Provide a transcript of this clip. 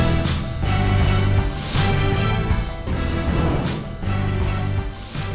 สุดท้ายขอบคุณครับ